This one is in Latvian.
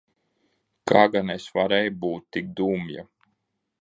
Kā gan es varēju būt tik dumja?